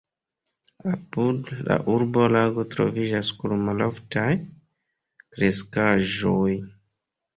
Apud la urbo lago troviĝas kun maloftaj kreskaĵoj.